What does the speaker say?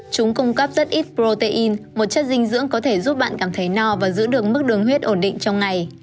chúng cung cấp rất ít protein một chất dinh dưỡng có thể giúp bạn cảm thấy no và giữ được mức đường huyết ổn định trong ngày